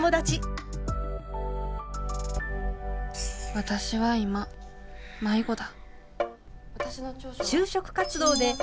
私は今迷子だ。